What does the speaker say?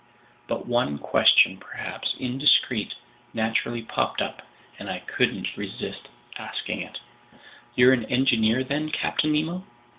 But one question, perhaps indiscreet, naturally popped up, and I couldn't resist asking it. "You're an engineer, then, Captain Nemo?"